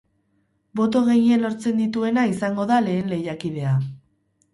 Boto gehien lortzen dituena izango da lehen lehiakidea.